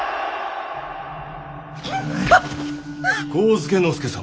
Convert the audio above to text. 上野介様。